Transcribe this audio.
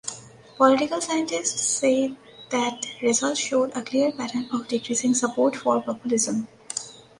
Political scientists said the results showed "a clear pattern of decreasing support for populism".